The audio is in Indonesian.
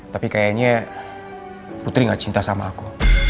tapi kayaknya putri gak cinta sama aku